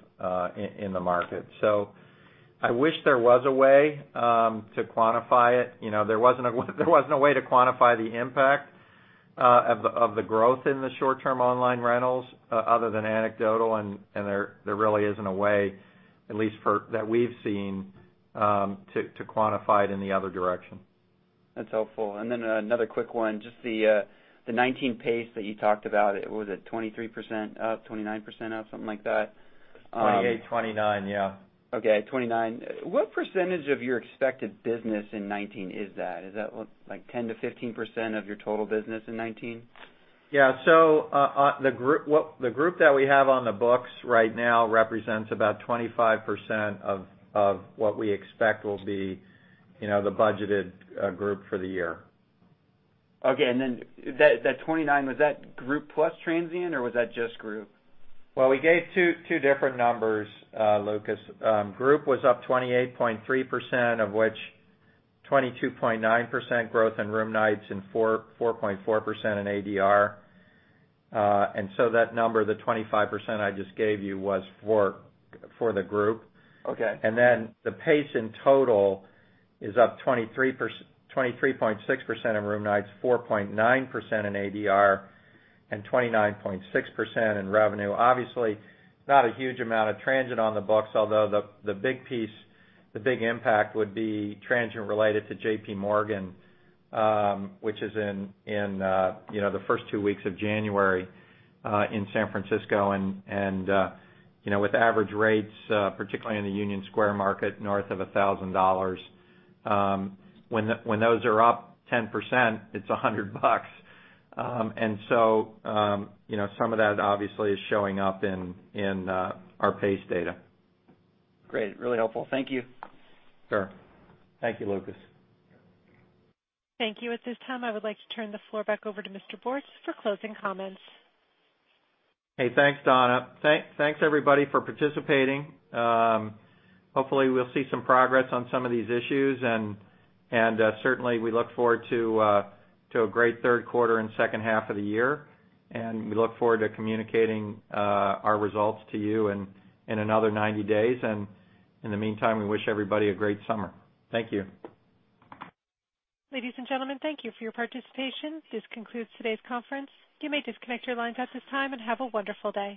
in the market. I wish there was a way to quantify it. There wasn't a way to quantify the impact of the growth in the short-term online rentals other than anecdotal, there really isn't a way, at least that we've seen, to quantify it in the other direction. That's helpful. Then another quick one, just the 2019 pace that you talked about, was it 23% up, 29% up, something like that? 28, 29. Yeah. Okay, 29. What % of your expected business in 2019 is that? Is that 10%-15% of your total business in 2019? Yeah. The group that we have on the books right now represents about 25% of what we expect will be the budgeted group for the year. Okay. That 29, was that group plus transient, or was that just group? Well, we gave two different numbers, Lukas. Group was up 28.3%, of which 22.9% growth in room nights and 4.4% in ADR. That number, the 25% I just gave you, was for the group. Okay. The pace in total is up 23.6% in room nights, 4.9% in ADR, and 29.6% in revenue. Obviously, not a huge amount of transient on the books, although the big piece, the big impact would be transient related to JP Morgan, which is in the first two weeks of January in San Francisco, and with average rates, particularly in the Union Square market, north of $1,000. When those are up 10%, it's $100. Some of that obviously is showing up in our pace data. Great. Really helpful. Thank you. Sure. Thank you, Lukas. Thank you. At this time, I would like to turn the floor back over to Mr. Bortz for closing comments. Hey, thanks, Donna. Thanks, everybody, for participating. Hopefully, we'll see some progress on some of these issues, certainly, we look forward to a great third quarter and second half of the year. We look forward to communicating our results to you in another 90 days. In the meantime, we wish everybody a great summer. Thank you. Ladies and gentlemen, thank you for your participation. This concludes today's conference. You may disconnect your lines at this time, and have a wonderful day.